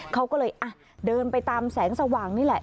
เขาก็เลยเดินไปตามแสงสว่างนี่แหละ